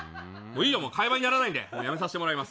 会話にならないのでやめさせてもらいます。